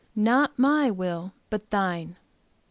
Not my will! But Thine!"